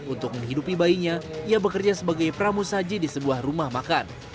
untuk menghidupi bayinya ia bekerja sebagai pramu saji di sebuah rumah makan